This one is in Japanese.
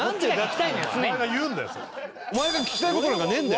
お前が聞きたい事なんかねえんだよ。